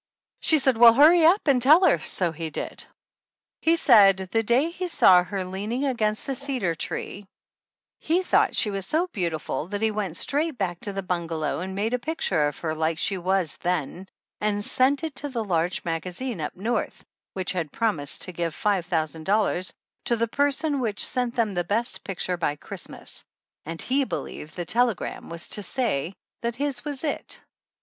She said well hurry up and tell her, so he did. He said the day he saw her leaning against the cedar tree he thought she was so beautiful that he went straight back to the bungalow and made a picture of her like she was then and sent it to a large magazine up North which had promised to give five thousand dollars to the person which sent them the best picture by Christmas, and he believed the telegram was to say that his was it.